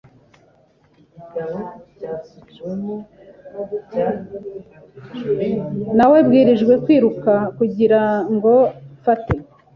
Nawebwirijwe kwiruka kugira ngo mfate .